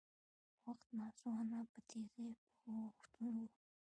وخت ناځوانه په تېزۍ په اوښتون و